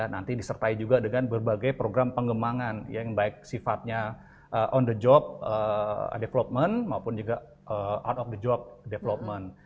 nanti disertai juga dengan berbagai program pengembangan yang baik sifatnya on the job development maupun juga art of the job development